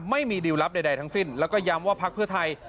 ไม่มีดิวลลับใดทั้งสิ้นแล้วก็ย้ำว่าพักเพื่อไทย